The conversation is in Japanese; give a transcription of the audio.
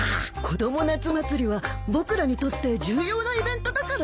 子供夏祭りは僕らにとって重要なイベントだからね。